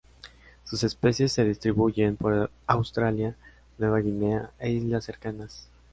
Sus especies se distribuyen por Australia, Nueva Guinea e islas cercanas.